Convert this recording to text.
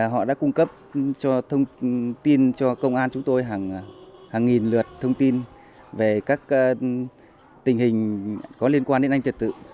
họ đã cung cấp cho thông tin cho công an chúng tôi hàng nghìn lượt thông tin về các tình hình có liên quan đến an ninh trật tự